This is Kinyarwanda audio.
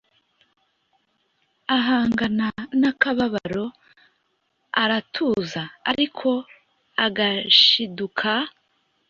ahangana nakababaro aratuza ariko agashiduka